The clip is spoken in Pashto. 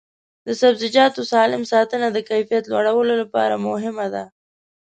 د سبزیجاتو سالم ساتنه د کیفیت لوړولو لپاره مهمه ده.